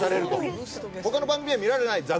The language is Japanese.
他の番組では見られない座組。